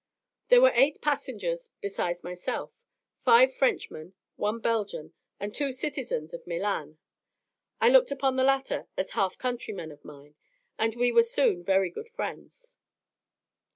There were eight passengers besides myself; five Frenchmen, one Belgian, and two citizens of Milan. I looked upon the latter as half countrymen of mine, and we were soon very good friends.